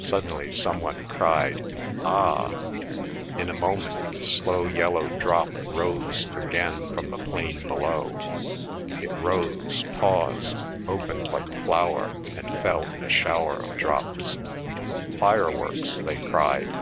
Suddenly some one cried, "Ah!" In a moment the slow yellow drop rose again from the plain below; it rose, paused, opened like a flower, and fell in a shower of drops. "Fireworks," they cried.